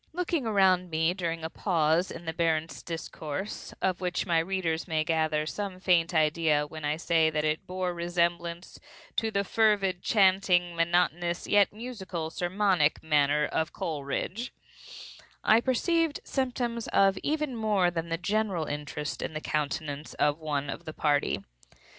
Looking around me during a pause in the Baron's discourse (of which my readers may gather some faint idea when I say that it bore resemblance to the fervid, chanting, monotonous, yet musical sermonic manner of Coleridge), I perceived symptoms of even more than the general interest in the countenance of one of the party.